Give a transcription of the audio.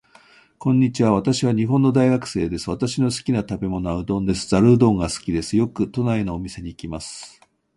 こんにちは。私は日本の大学生です。私の好きな食べ物はうどんです。ざるうどんが好きです。よく都内のお店に行きます。